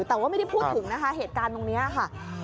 แต่ว่าไม่ได้พูดถึงนะคะเหตุการณ์ตรงนี้ค่ะ